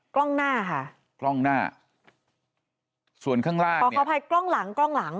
กล้องหน้าค่ะกล้องหน้าส่วนข้างล่างอ๋อขออภัยกล้องหลังกล้องหลัง